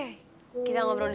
pak teran pak teran